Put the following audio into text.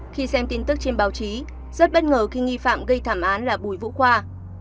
khi xem tin tức trên báo chí rất bất ngờ khi nghi phạm gây thảm án là bùi vũ khoa